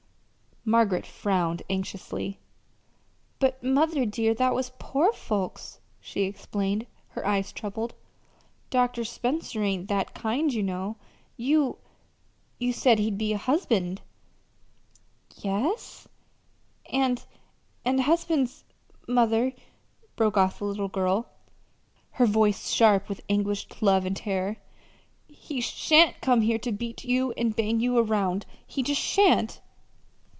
Margaret frowned anxiously. "But, mother, dear, that was poor folks," she explained, her eyes troubled. "Dr. Spencer ain't that kind, you know. You you said he'd be a husband." "Yes?" "And and husbands mother!" broke off the little girl, her voice sharp with anguished love and terror. "He sha'n't come here to beat you and bang you 'round he just sha'n't!"